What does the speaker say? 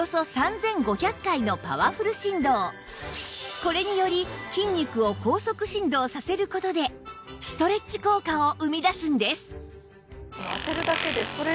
これにより筋肉を高速振動させる事でストレッチ効果を生み出すんです